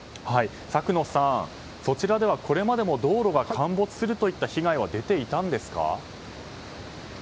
作野さん、そちらではこれまでも道路が陥没するといった被害は出ていたんですか？